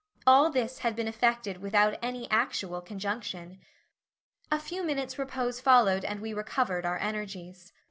All this had been effected without any actual conjunction. A few minutes' repose followed and we recovered our energies.